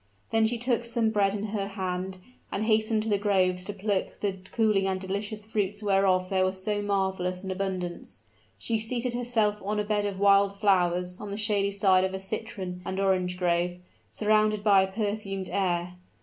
Then she took some bread in her hand, and hastened to the groves to pluck the cooling and delicious fruits whereof there was so marvelous an abundance. She seated herself on a bed of wild flowers on the shady side of a citron and orange grove, surrounded by a perfumed air.